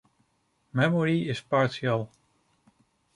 Memory is partial.